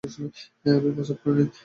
আমি প্রস্রাব করিনি।